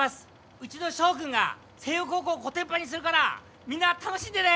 うちの翔くんが星葉高校をこてんぱんにするからみんな楽しんでね！